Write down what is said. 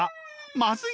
「まずい！